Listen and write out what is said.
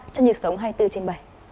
trên dịch sổ hai mươi bốn trên bảy